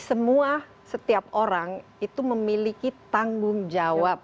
semua setiap orang itu memiliki tanggung jawab